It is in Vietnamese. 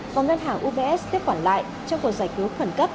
và ngân hàng ubs tiếp quản lại trong cuộc giải cứu khẩn cấp